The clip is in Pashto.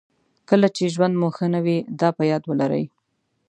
کله چې ژوند مو ښه نه وي دا په یاد ولرئ.